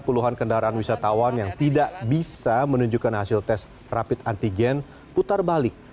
puluhan kendaraan wisatawan yang tidak bisa menunjukkan hasil tes rapid antigen putar balik